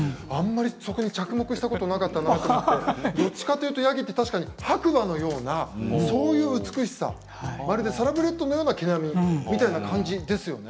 そこに着目したことなかったなと思ってどちらかというとヤギって白馬のようなそういう美しさサラブレッドのような毛並みみたいな感じですよね。